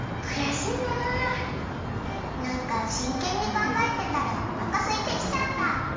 なんかしんけんにかんがえてたらおなかすいてきちゃった。